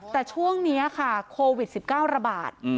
แต่ช่วงนี้ค่ะโควิด๑๙ระบาด